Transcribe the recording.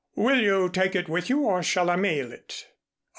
Will you take it with you or shall I mail it?"